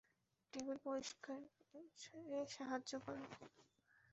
Table পরিষ্কারে সাহায্য করো।